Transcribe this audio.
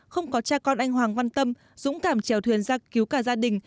không có cha con anh hoàng văn tâm dũng cảm trèo thuyền ra cứu cả gia đình